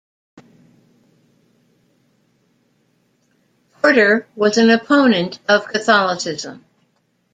Porter was an opponent of Catholicism.